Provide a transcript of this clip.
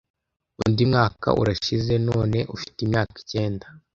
Undi mwaka urashize, none ufite imyaka icyenda.